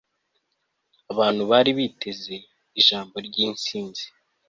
abantu bari biteze ijambo ryintsinzi